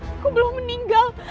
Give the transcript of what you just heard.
aku belum meninggal